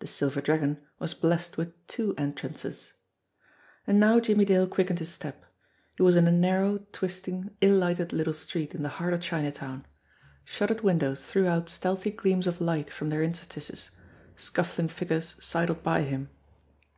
The Silver Dragon was blest with two entrances. And now Jimmie Dale quickened his step. He was in a narrow, twisting, ill lighted little street in the heart of China town. Shuttered windows threw out stealthy gleams of light from their interstices; scuffling figures sidled by him.